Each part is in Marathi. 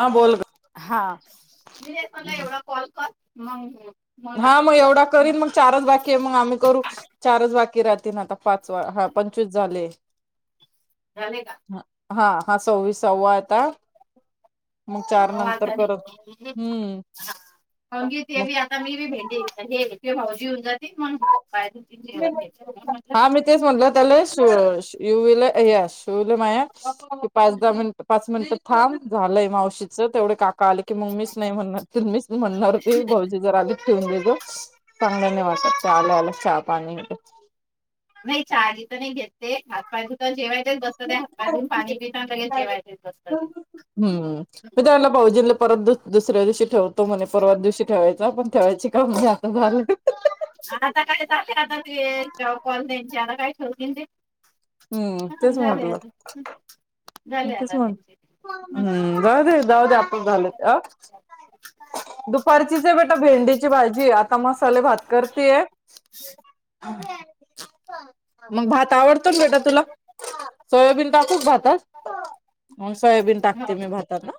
हा बोल हा, मी [unintelligible] एवढा कॉल कर. [inaudible] हा मग लागत एवढा लागत करीन मग चारच बाकी आहे मग आम्ही करू. चारच बाकी राहतील. तेन आता पाचवा ह पंचवीस झाले. झाले का? हा हा सव्वीस सव्वा आता मग हा चार वाद नंतर झाले करत हम्म कारण की ते मग बी मी बी [unintelligible] भाऊजी घेऊन जातील [unintelligible] जेवण घ्यायचे म्हणून म्हटलं हा मी तेच म्हणल त्याला यु विल य यस शो विल माया पाच दहा मिनिट पाच मिनिट थांब झालंय मावशीचं तेवढे काप आले की मग मीच नाही म्हणणार मीच म्हणणार होते भाऊजी जरा ठेऊन चांगल नाही वाटत ते आल्या आल्या पाणी नाही चहा इथे नाही घेत ते हात पाय धुता जेवायचं जेवायचेच बसतं ते हम्म म त्याना भाऊजीं नी परत दुसऱ्या दिवशी ठेवतो म्हणे परवा दिवशी ठेवायच पण ठेवायचे काम नाही आता झालं आता कट झाले आता ते कॉल यांचे आता काय ठेवतील ते हम्म हा तेच झाले म्हटलं आता झाले तेच आता म्हटलं त्यांचे हम्म जाऊ दे जाऊ दे झाले आपणच झाल दुपारचीच आहे बेटा आता भेंडीची भाजी आता मसाले भात कर हे [unintelligible] मग भात आवडतो ना बेटा तुला सोयाबीन टाकू भातात म सोयाबीन हो टाकते मी भातात हं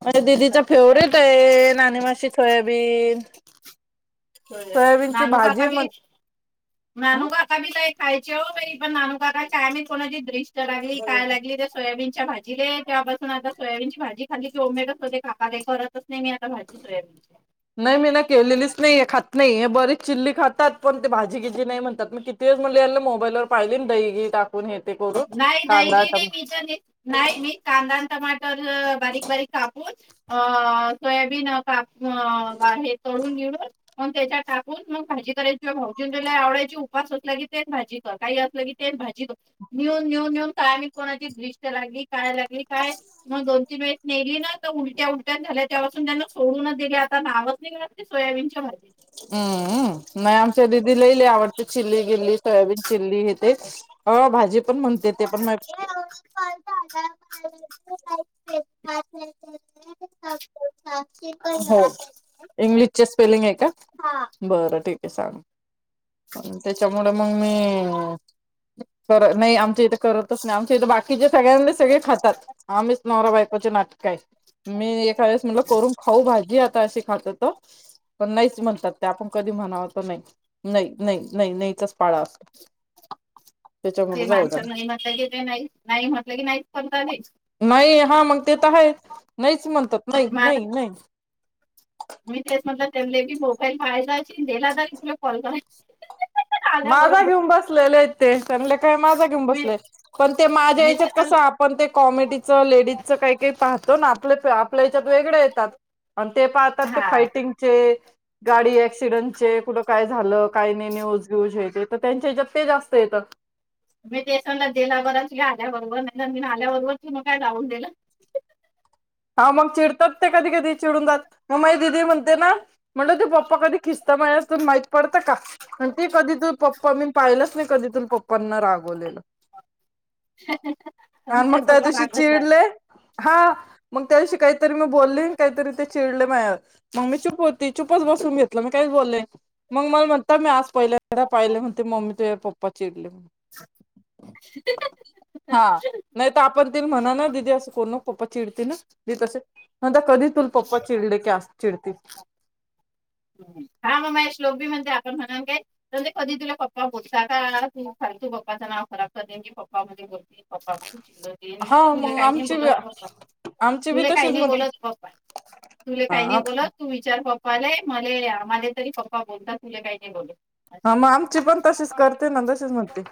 [inaudible] अरे दिदीचा फेवरेट सासूबाई आहे नाणी मासी सोयाबीन सोयाबीनची नानू काका भाजी म्हण बी नानू काका बी लय खायची ओ बाई पण नानू काकांना काय माहित कोणाची दृ ष्ट लागली हं? काय लागली त्या सोयाबीन च्या भाजीले तेव्हापासून आता सोयाबीनची भाजी खाल्ली की ओमेटच होते [unintelligible] करतच नाही मी आता भाजी सोयाबीनची नाही मी ना केलेलीच नाहीये खात नाही, हे बरीच चिल्ली खातात पण ते भाजी गीजी नाही म्हणतात मी किती वेळेस म्हणले ह्यांना मोबाईलवर पाहिले ना बाई टाकून हे ते करून नाही दही कांदा बी नाही टम मी कधी नाही मी कांदा अन टमाटर बारीक बारीक कापून अ सोयाबीन काक अ हे तळून घेऊन मग त्याच्यात टाकून मग भाजी करायची तुझ्या भाऊजींना तर लय आवडायची उपास असला की तेच भाजी कर काही असलं की तेच भाजी नेऊन नेऊन नेऊन कायम कोणाची दृष्ट्य लागली काय लागली काय? मग दोन तीन वेळेस नेली ना तर उलट्या उलट्या झाल्या तेव्हापासून त्यांना सोडूनच दिली आता नावच नाही घेणार ते सोयाबीनच्या [unintelligible] हम्मम नाही आमच्या बी दिलेली आवडते चिल्ली सोयाबीन चिल्ली येते हो भाजी पण म्हणते ते पण हो इंग्लिशचे स्पेलिंग आहे का? हा बरं ठीक आहे सांग. त्याच्यामुळे मग मी कर नाही आमच्या इथे करतच नाही. आमच्या इथे बाकीचे सगळ्यांनीच सगळे खातात. आम्हीच नवरा-बायकोचे नाटक काय, मी एखादेवेळेस म्हटलं करून खाऊ भाजी, आता अशी खात होतो, पण नाहीच म्हण त्यात आपण कधी म्हणाव तर नाही, नाही, नाही, नाही नाईचाच पाडा असतो. ते त्याच्यामुळे जाऊ माणस द्या नाही म्हटलं की. ते नाही नाही म्हटलं की नाही करतले. नाही हा, मग ते तर आहे. नाहीच म्हण- नाही, मग आता नाही, नाही. मी तेच म्हटलं त्यानला की मोबाईल पा्हायचा जायचे दला जा तुला कॉल कराय माझा घेऊन बसलेले आहेत ते. सगले काय माझा घेऊन मी बसलेय. पण ते माझ्या मी याच्यात ते तर कसं आपण ते कॉमेडीचं लेडीजचं काही-काही पाहतो ना. आप आपल्या याच्यात वेगळे येतात. ते पाहतात ते हा फायटिंगचे. गाडी एक्स. तीडअनचे. कुठ काय. झालं, काही नाही न्यूज. यूज हेज, त त्यांच्या हेजात ते जास्त येतात. मी ते सांगा गेला बरा तु आल्याबरोबर [unintelligible] आल्याबरोबर तु म काय जाऊन दिलं. हां मंग चिड- तत ते कधी कधी चिडून जात, म माइ दिदी म्हणते ना? म्हणलं तू पप्पा कधी खिस्त मळ माहीत पडतं का आणि ती कधी तू प् प मी पाहिलंच नाही कधीतून पप्पांना रागवलेलं. आणि हिच्या मग त्या समोर दिवशी रागत जाय चिडले मग त्या दिशी काहीतरी मी बोलली काहीतरी ते चिडले मयावर मग मी चुप होती चुपच बसून घेतलं मी काहीच बोलले मग मला म्हणता मी आज पहिले पाहिले म्हते मम्मी ते पप्पा चिड हा, नाही तर आपण तीन म्हणा ना दिदे अस करू नको चिडती ना जी तसे म्हता कधी तुल पप्पा चिडले की अस चिडती हा मग मे श्लोक बी म्हणते आपण म्हणाल काय म्हंजे कधी तुला पप्पा बोलता का खालतू पप्पाच नाव खराब कर दे की पप्पा ममध्ये बोलप्पा तु हा मग काही नाही आमची बी बोलत पप्पा आमची बी तुले तशीच काही नाही म्हणते बोलत पप्पा तुले काही नाही हा बोलत तू विचार प पणे मले माझे तरी पप्पा बोलतात तुले काही नाही बोलत हा मग आमची पण तशीच करते ना तसेच म्हणते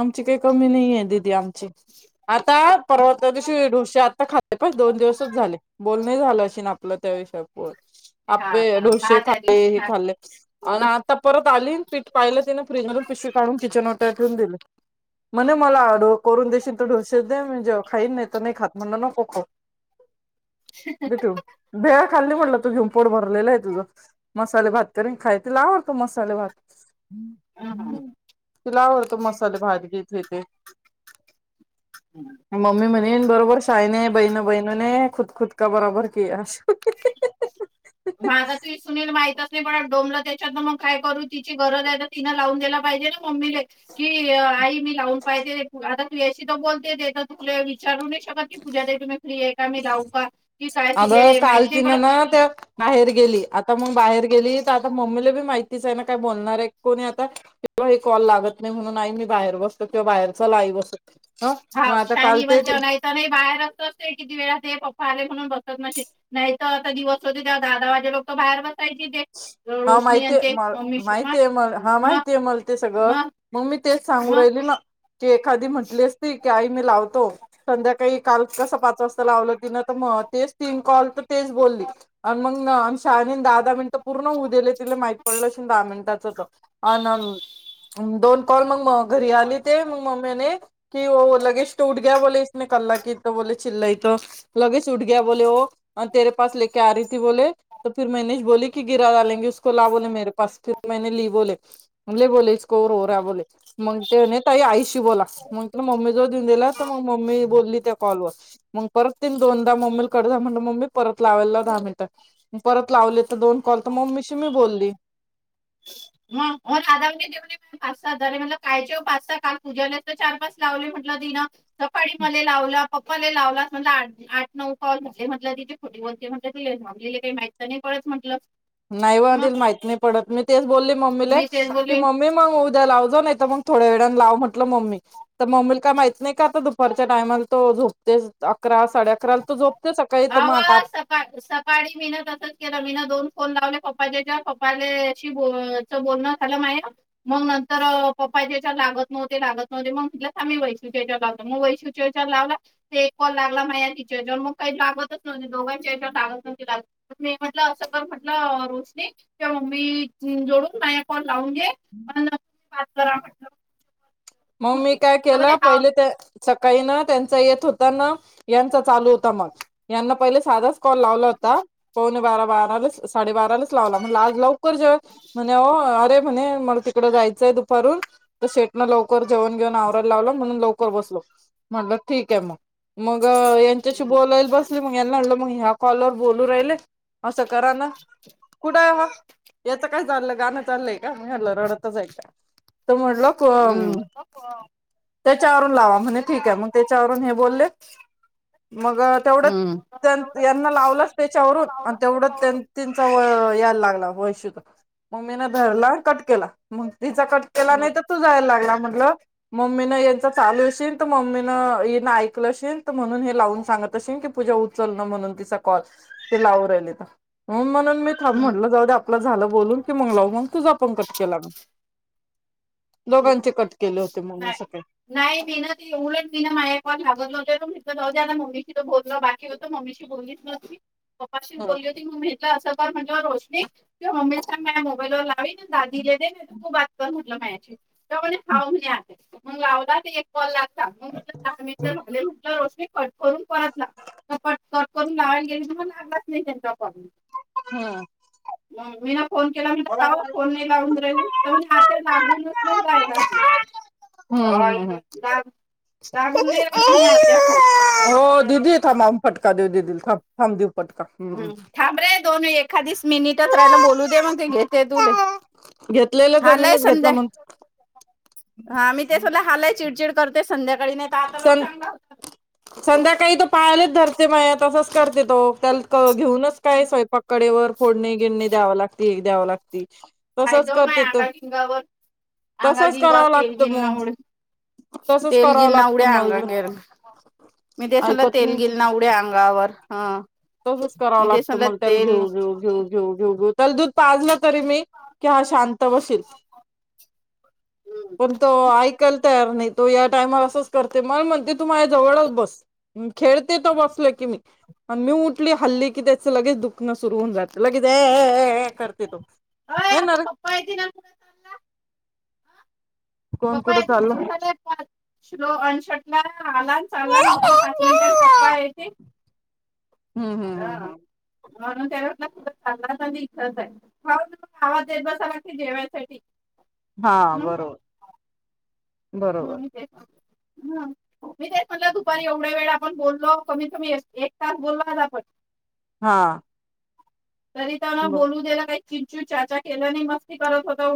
आमची काही कमी नाही आहेे दीदी आम आता पर्वता दिवशी ढोसे आता खाल्ले पण दोन दिवसच झाले बोलणे झालं, अशी ना आपलं त्या विषय प हा आपे हा ढोसे हा त्या खाल्ले दिवशी हे हा खाल्ले आणि परत आली पीठ पाहिलं तिनं फ्रीजून पिशवी काढून किचन वाट्यावर ठेऊन दिले म्हणे मला करून देशील तर ढोसे दे, म्हणजे खाईन नाही तर नाही खात. म्हणलं, नको क हो भेटु भेळा खाल्ली म्हटले म्हणून पोट भरले तुझ मसाले भात तरी खायतिलावा मसाले भात हं, हं. तिला आवडतो मसाले भात घेतेत तेे मम्मी म्हणे बरोबरच ताईनी बाईंनी बहिणी बहिणीने खुदकाबरोबर कियास माझा तु सुनील माहित असे डोमलं त्याच्यात मग काय करू तिची गरज आहे तर तिने लावून दयला पाहिजे ना मम्मीला की आई मी लावून पाहिजे तुला तुझ्याशी तर बोलते ते तर चुकले विचारने पूजा तुम्ही फ्री आहे का मी लाऊ का की काय अगं तिले माहित काल नाही तिने पडत ना त्या बाहेर गेली आता मग बाहेर गेली आता मम्मीलाी माहितीच आहे ना काय बोलणार आहे कोणी आता कॉल लागत नाही म्हणून आई मी बाहेर बसते किंवा बाहेर चला बसतो हा शायनी बनते नाही तर बाहेर असत असते किती वेळा ते पप्पा आले बस नाही तर आता दिवस होते तेव्हा दहा दाहा वाजेपर्यंत लोक बाहेर बसत हा माहिती आहे म मम्मी मग माहिती आहे मला हा मग माहिती आहे मला ते सगळं मग मी तेच सांगू मग राहिली ना, एखादी म्हटली असती, आई मी लावतो संध्याकाळी काल कसे पाच वाजता लावलं की तेच तीन कॉल तर तेच बोलली आणि म शहानीने दहा दहा मिनिटे, पूर्ण होऊ दिले तिला माहिती, दहा मिनिटात होते अन दोन कॉल मग म घरी आली ते मग मम्म्याने कि ओ लगेच [unintelligible] कि तो बोले चल्लई तो लगेच उट ग बोले व तेरे पास लेक आ रही ती बोले त फर मैने बोली की गिरा डालेंगे तो ला बोले मेरे पास फिर, [unintelligible] बोला मग मम्मी जवळ देऊन दिलातर मग मम्मी बोलली त्या कॉलवर, परत तिन दोनदा मम्मीला कड म्हण मम्मी परत लावाला दहा मिनिटं परत लावले तर दोन, काल तर मम्मीशी मी बोलली मग म राधा देऊ पाच सात झाले म्हण कायचे पाच स काल पूज्याला तर चार पाच लावले म्हटलं तिने सकाळी मले लावला पापा लई लावलास म्हटले. आ.. आठ नऊ कॉल म्हटलं किती खोटी बोलते म्हटल. तुया मम्मी ला तर माहीत नाही पडत म्हटल? नाही व माहीत नाही पडत. मी तेच बोलले? मम्मीले.. मी तेच की बोलले मम्मी मला होऊ द्यायला लाउजो. नाही त म थोड म्हटल मम्मी.. मम्मी ला का माहीत नाही का आता दुपारच्या टाईमाला तो झोपतो अकरा साडे अकरा ला तो झोपतो. आव.. सका सकाळी मी न तसच केल. मी ना दोन कॉल लावले पप्पाच्या ह्याच्यावर. पप्पाशी बोल.. बोलण झाल माया. मग नंतर पप्पाच्या याच्यावर लागत नव्हते.. लागत नव्हते. मग म्हटल. थांब वैष्णवीच्या याच्यावर लावते. म वैष्णवीच्या याच्यावर लावला. ते एक कॉल लागला नाय तिच्या जवळ काही लागतच नव्हते? दोघांच्या याच्या लागत नव्हते.. लागत नव्हते मी म्हटल अस का म्हटलं रोशनी? त्या मम्मी ची जवळ माया फोन लावून घे? कर म्हटल. [unintelligible] म.. मी काय केलं पहीले ते सकाळी ना त्यांचा येत होता ना? यांचा चालू होता. मग यांना पहिले साधा च कॉल लावला होता. पावणे बारा बारालाच साडेबारालाच लावला. म्हणल आज लावू करजो म्हणओ अरे.. म्हणे.. मग तिकडे जायचय दुपारून. त शेट मध्ये लव जेवन घेऊन आवरायला लावल. म्हणून ल बसलो. म्हणल. ठीके म. म यांच्याशी बोलायला बसले. मग याना म्हणल मग ह्या कॉल वर बोलू राहिले. असं करा ना कुठं हाय व याच काय चाललय गाण चाललय का ह्याला रडतच ऐका. तर म्हणल क. हो. त्याच्यावरून. लावा म्हणे. ठिक आहे. मग त्याच्यावरून हे बोलले. मग तेवढ्यात त्या. यांना लावलाच ह्याच्यावरून आणि तेवढ्यात त्या त्यांचा व यायला लागला वैशुचा. मम्मीन धरला. कट केला. म. तिचा कट केला नाहीत. नाही तूझा यायला लागला म्हणु. मम्मीन यांच चालू येशील. त. मम्मीन इन येकलशिल म्हणून लावून सांगत अशीन. की पूजा उचल म्हणून तिचा कॉल ती लाऊन राहीली तर? मी थांब म्हणल जाऊ दे. आपल झाल बोलून की मग लावू. मग तुझा कट केला ग. दोघांचे कट. केले होते मग मी नाय सकाळी नाय मी ना ते एवढ घाबरले होते. जाऊदे आता. मम्मीशी पण बोलण बाकी होत. मम्मीशी बोललीच नव्हती. पपाशी हा बोलली होती. मग मी. अस का म्हणलं रोशनी. तूया मम्मीला सांग माया मोबाईल वर ला. दादी ले देण तू बात कर म्ह. तुला काय आणशील? [unintelligible] खाऊ [unintelligible] मंग लावला ते एक कॉल लाग. टाकू म्हटलं [unintelligible] झाले म्हटलं रोशनी. कट करून परत लाव कट कट करून लावायला गेले त मग लागलाच नाही त्यांच्या फोन. हा म मिन. फोन केला म्हणत काओ फोन नाही लावून राहीले तर म्हणजे आ ते लागूनच. हम् नाही राहिला लाग- लागून नाही राहिला म्हणे आत्या फोन [unintelligible] द्यु दे का माम फटका द्यू दे तिल थांब. थांब देऊ फटका हम्म थांबरे दोन एक. आदी स मी नीटच रायला बोलू दे म्हणते घेते तुले घेतलेला हालय जमीनच घेतला संध्या म्हणून हा मी ते स लय हालय चिडचिड. करते संध्या. सं संध्याकाळी त पायाले धरते माया तसंच. करते तो, त्याल क घेऊनच काय स्वयंपाक कडेवर फोडणी, गिडनि द्यावं लागते. द्याव लागती. तसच करते तो तसच करावं लागतं मग तसच करावं लागतं मला [unintelligible] ऐकत नाही तसच करावं लागतं [unintelligible] दल दूध पाजलं तरी मी. कि हा शांत बशील. हम्म. कोण तो, ऐकाल तयार नईत. तो या टायमा असंस करते म म्हणते तू माया जवळच बस, म् खेळते त बसल की मी, आण् मी उठली हल्ली की त्याचं लगेच दुखणं सुरू होऊन जात लगेच ऍ-ऍ-ऍ-ऍ करते तो. अय हे ना आता रे पप्पा येतील आन कुठं चालला? कोण पप्पा कुठं यायचा चाललं टाइम झालाय आता श्लो अन् [unintelligible] आला. चालला, निघाला, पाच मिनिटांत पप्पा येते. हुं. हुं. हुं. हा हुं. म्हणून त्यो लपून बसाला असणार, [unintelligible] आवाज द्यायचा झाला की जेवायसाठी. हा बरोबर. म बरोबर मी तेच म्हणतो. हम, मी तेच म्हटलं, दुपारी एवढा वेळ आपण बोल्लो, कमीत कमी एक तास बोललो आज आपण. हा. तरी त्यान ब बोलू दिल नाही. चिंचू चाचा केलं नाही म‌.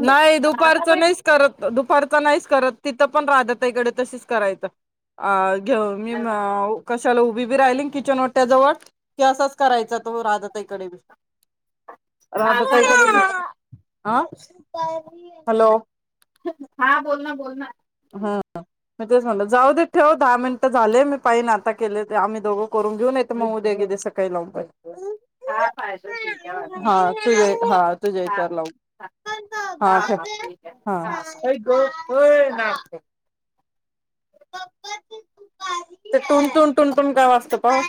नाही दुपारचं नाहीच करत, दुपारच नाहीच करत. तिथं पण, राधा ताईकडे तशीच करायचा आ घेव मी मावू. कशाला उभी बी राहिली किचन ओट्या जवळ की, असाच करायचा, तो राधा ताईकडे बी. आणि राधा आता ताईकडे कसं पणं आ. हॅलो. हा बोल ना. बोल ना. हं. हा. म तेच म्हणलं जाऊ देत. ठेव दहा मिनिटं झाले, मी. पाहि न आता केले ते आम्ही दोघं करून घेऊ नाहीत म उद्यागिद्या सकाळी लावून पाहिे हा पाहिजे ठीक आहे वांधा नाही हा तुझ हा तुझ्या हा इतार हा लावु हा ठीक आहे हा हा ठेव [unintelligible] हा ते टुणटुण टुणटुण काय वाजत पहा.